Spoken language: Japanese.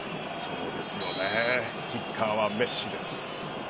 キッカーはメッシです。